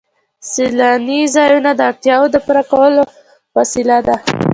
سیلاني ځایونه د اړتیاوو د پوره کولو وسیله ده.